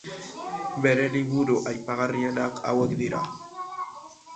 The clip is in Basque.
Bere liburu aipagarrienak hauek dira.